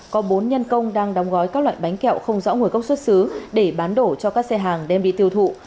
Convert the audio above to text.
có bốn nhân công đang đóng gói các loại bánh kẹo không rõ nguồn gốc xuất xứ để bán đổ cho các xe hàng đem đi tiêu thụ